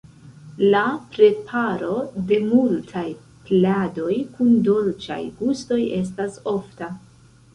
La preparo de multaj pladoj kun dolĉaj gustoj estas ofta.